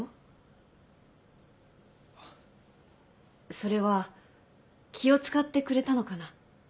それは気を使ってくれたのかな。